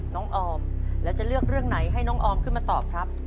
ออมแล้วจะเลือกเรื่องไหนให้น้องออมขึ้นมาตอบครับ